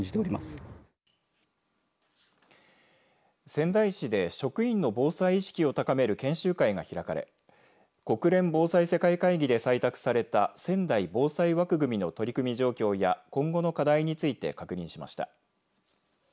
仙台市で職員の防災意識を高める研修会が開かれ国連防災世界会議で採択された仙台防災枠組の取り組み状況や今後の課題について確認しました。